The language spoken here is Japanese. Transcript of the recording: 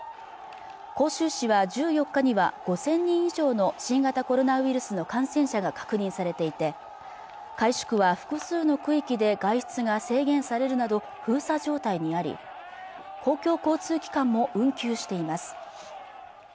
広州市は１４日には５０００人以上の新型コロナウイルスの感染者が確認されていて海珠区は複数の区域で外出が制限されるなど封鎖状態にあり公共交通機関も運休しています